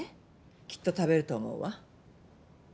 きっと食べると思うわ。